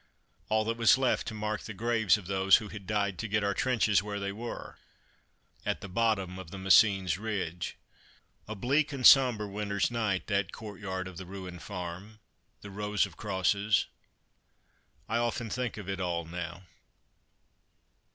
All that was left to mark the graves of those who had died to get our trenches where they were at the bottom of the Messines ridge. A bleak and sombre winter's night, that courtyard of the ruined farm, the rows of crosses I often think of it all now.